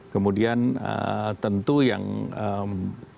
kemudian tentu yang calon yang bertanggung jawab